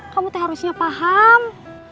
kamu tuh harusnya paham